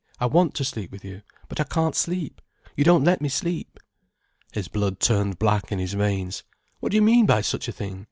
I want to sleep with you. But I can't sleep, you don't let me sleep." His blood turned black in his veins. "What do you mean by such a thing?